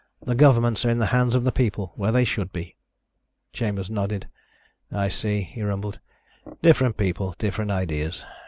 The governments are in the hands of the people, where they should be." Chambers nodded. "I see," he mumbled. "Different people, different ideas."